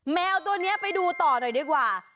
แมวตัวนี้ไปดูต่อหน่อยดีกว่า